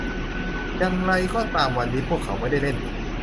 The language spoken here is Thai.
อย่างไรก็ตามวันนี้พวกเขาไม่ได้เล่น